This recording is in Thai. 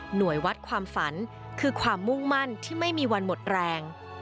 หน่วยวัดความฝันคือความมุ่งมั่นที่ไม่มีวันหมดแรง